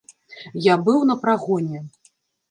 Я быў на прагоне.